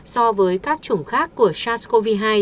so với các chủng khác của sars cov hai